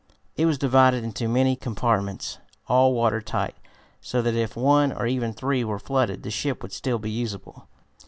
It was divided into many compartments, all water tight, so that if one or even three were flooded the ship would still be useable.